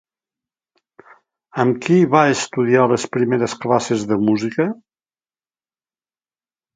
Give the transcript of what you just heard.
Amb qui va estudiar les primeres classes de música?